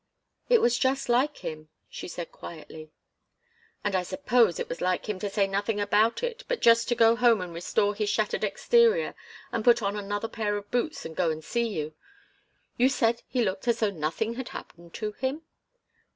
"It was just like him," she said quietly. "And I suppose it was like him to say nothing about it, but just to go home and restore his shattered exterior and put on another pair of boots and go and see you. You said he looked as though nothing had happened to him?"